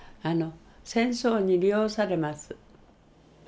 戦争に利用されます。